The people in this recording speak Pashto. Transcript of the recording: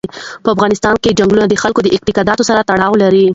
په افغانستان کې چنګلونه د خلکو د اعتقاداتو سره تړاو لري.